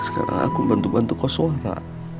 sekarang aku bantu bantu kau suara